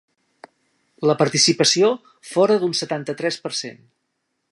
La participació fóra d’un setanta-tres per cent.